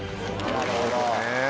なるほど。